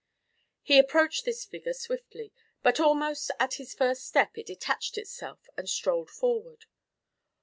He approached this figure swiftly, but almost at his first step it detached itself and strolled forward.